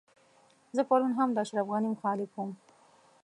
زه پرون هم د اشرف غني مخالف وم.